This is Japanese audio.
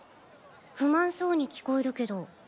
不満そうに聞こえるけど。